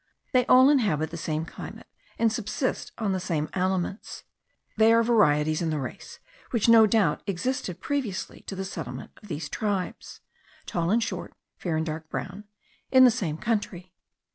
They all inhabit the same climate, and subsist on the same aliments. They are varieties in the race, which no doubt existed previously to the settlement of these tribes (tall and short, fair and dark brown) in the same country.